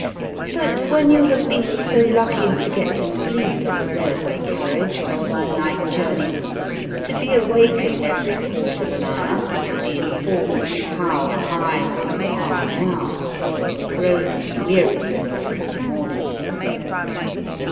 But when you have been so lucky as to get to sleep in a railway carriage on a long night journey, to be awakened every quarter of an hour to be informed "how high you are now" grows wearisome before morning.